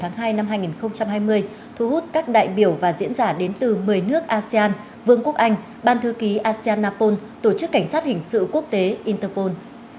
hội nghị mạng lưới khoa học hình sự hai nghìn hai mươi thu hút các đại biểu và diễn giả đến từ một mươi nước asean vương quốc anh ban thư ký asean napol tổ chức cảnh sát hình sự quốc tế interpol